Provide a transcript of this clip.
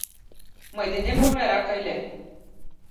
Мый денем оҥайрак ыле.